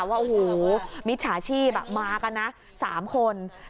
ว่ามิชชาชีพมากันนะ๓คน